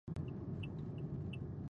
هو، زه غواړم چې تباه دې کړم. جميلې وويل:.